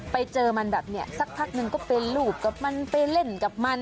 ไปเจอมันแบบนี้สักพักนึงก็ไปรูปกับมันไปเล่นกับมัน